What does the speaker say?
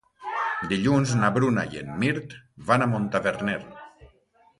Dilluns na Bruna i en Mirt van a Montaverner.